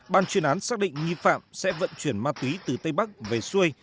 ban chuyên án xác định nghi phạm sẽ vận chuyển ma túy từ tây bắc về xuôi